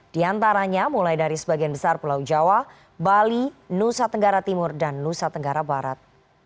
di antaranya mulai dari sebagian besar pulau jawa bali nusa tenggara timur dan nusa tenggara barat